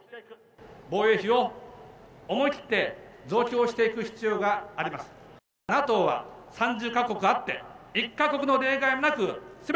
防衛費を思い切って増強していく必要があります。